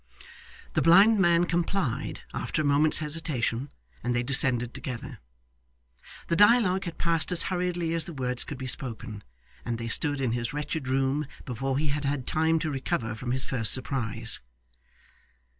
The blind man complied after a moment's hesitation, and they descended together. The dialogue had passed as hurriedly as the words could be spoken, and they stood in his wretched room before he had had time to recover from his first surprise.